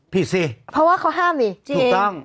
ผิดสิเพราะว่าเขาห้ามบ่อย